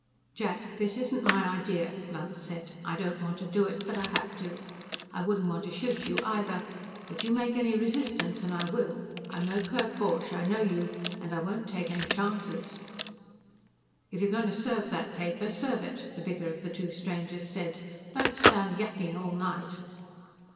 "Jack, this isn't my idea," Lunt said. "I don't want to do it, but I have to. I wouldn't want to shoot you, either, but you make any resistance and I will. I'm no Kurt Borch; I know you, and I won't take any chances." "If you're going to serve that paper, serve it," the bigger of the two strangers said. "Don't stand yakking all night."